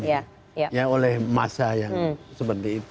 tapi harus diharapkan oleh masa yang seperti itu